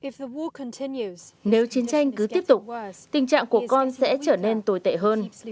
nếu chiến tranh cứ tiếp tục tình trạng của con sẽ trở nên tồi tệ hơn